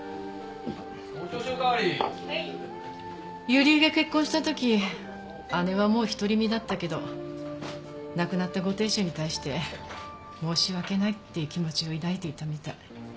友里恵が結婚した時姉はもう独り身だったけど亡くなったご亭主に対して申し訳ないっていう気持ちを抱いていたみたい。